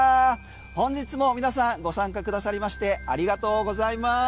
本日も皆さんご参加くださりましてありがとうございます。